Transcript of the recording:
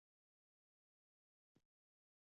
亦是其中一个区间车终点站。